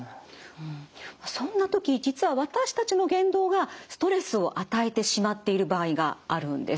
そんな時実は私たちの言動がストレスを与えてしまっている場合があるんです。